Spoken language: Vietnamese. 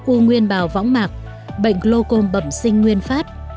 u nguyên bào võng mạc bệnh glocom bẩm sinh nguyên phát